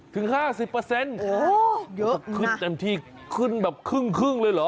ขึ้นเต็มที่ขึ้นแบบครึ่งเลยเหรอ